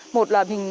một là hình hoa